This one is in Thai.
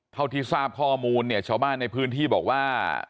เท่าที่ทราบข้อมูลเนี่ยชาวบ้านในพื้นที่บอกว่า